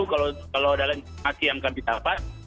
kalau dalam informasi yang kami dapat